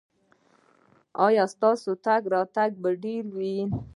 ایا ستاسو تګ راتګ به ډیر وي؟